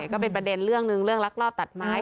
ก็เป็นประเด็นเรื่องหนึ่งเรื่องลักลอบตัดไม้